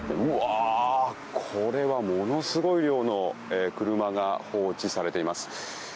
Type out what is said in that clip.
これはものすごい量の車が放置されています。